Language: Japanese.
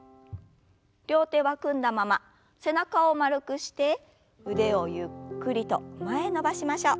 両手は組んだまま背中を丸くして腕をゆっくりと前へ伸ばしましょう。